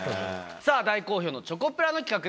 さぁ大好評のチョコプラの企画です。